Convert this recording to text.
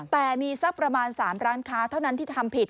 แต่มีสักประมาณ๓ร้านค้าเท่านั้นที่ทำผิด